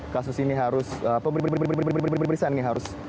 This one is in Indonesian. kasus ini harus pemeriksaan ini harus